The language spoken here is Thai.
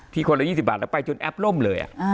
ที่คนละยี่สิบบาทแล้วไปจนแอปล่มเลยอ่ะอ่า